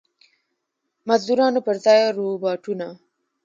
مزدورانو پر ځای روباټونه.